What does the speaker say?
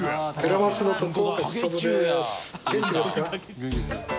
元気ですか？